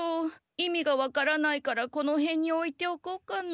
意味がわからないからこのへんにおいておこうかな。